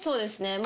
まあ。